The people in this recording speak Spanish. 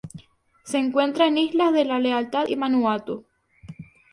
Se encuentra en islas de la Lealtad y Vanuatu.